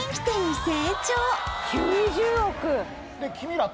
９０億！